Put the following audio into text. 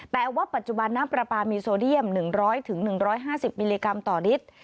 แต่ว่าปัจจุบันน้ำปลาปลามีโซเดียม๑๐๐๑๕๐มิลลิกรัมต่อลิตร